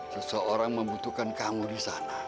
seseorang membutuhkan kamu di sana